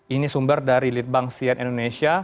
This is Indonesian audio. ini sumber dari litbang sian indonesia